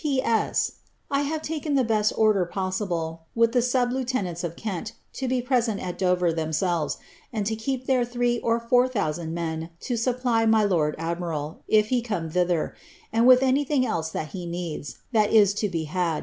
P. S. I have taken the best order possible with the (sub) lientenanti of Kent to be present at Dover themselves, and to keep there 3 or 4000 men to supply my lord admiral, if he come thitlier, and with anything else that he needs, that it 10 be bad.